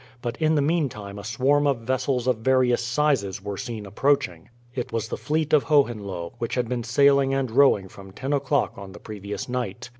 But in the meantime a swarm of vessels of various sizes were seen approaching. It was the fleet of Hohenlohe, which had been sailing and rowing from ten o'clock on the previous night.